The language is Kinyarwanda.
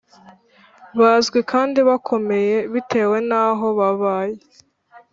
(bazwi kandi bakomeye) bitewe n’aho babaye